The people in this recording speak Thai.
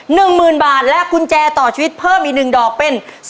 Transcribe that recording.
หมื่นบาทและกุญแจต่อชีวิตเพิ่มอีกหนึ่งดอกเป็น